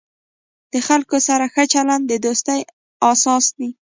د خلکو سره ښه چلند، د دوستۍ اساس دی.